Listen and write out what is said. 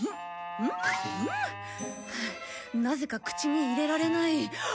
はあなぜか口に入れられない。